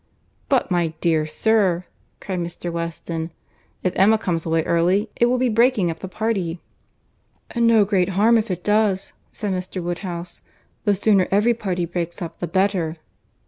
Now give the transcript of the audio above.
"But, my dear sir," cried Mr. Weston, "if Emma comes away early, it will be breaking up the party." "And no great harm if it does," said Mr. Woodhouse. "The sooner every party breaks up, the better."